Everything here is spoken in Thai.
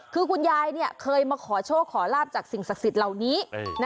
คือคุณยายเคยมาขอโชคขอลาบจากสิ่งศักดิ์สิทธิ์เหล่านี้